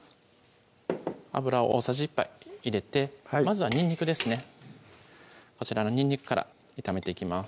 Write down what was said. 油を大さじ１杯入れてまずはにんにくですねこちらのにんにくから炒めていきます